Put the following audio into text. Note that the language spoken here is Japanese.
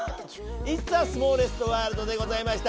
『イッツ・ア・スモーレストワールド』でございました。